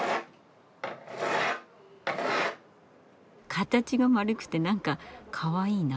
形がまるくてなんかかわいいな。